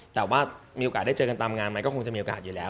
แต่ว่ามีโอกาสได้เจอกันตามงานไหมก็คงจะมีโอกาสอยู่แล้ว